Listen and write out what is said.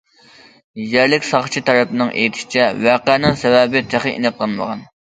يەرلىك ساقچى تەرەپنىڭ ئېيتىشىچە، ۋەقەنىڭ سەۋەبى تېخى ئېنىقلانمىغان.